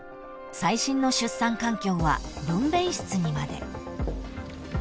［最新の出産環境は分娩室にまで］